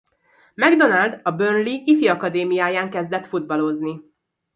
MacDonald a Burnley ifiakadémiáján kezdett futballozni.